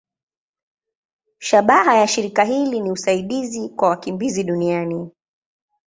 Shabaha ya shirika hili ni usaidizi kwa wakimbizi duniani.